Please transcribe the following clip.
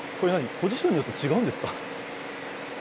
ポジションによって違うんです。